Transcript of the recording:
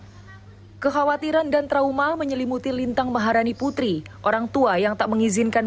hai kekhawatiran dan trauma menyelimuti lintang maharani putri orangtua yang tak mengizinkan